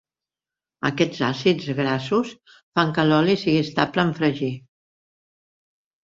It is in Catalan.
Aquests àcids grassos fan que l'oli sigui estable en fregir.